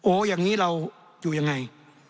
อย่างนี้เราอยู่ยังไง